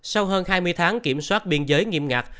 sau hơn hai mươi tháng kiểm soát biên giới nghiêm ngặt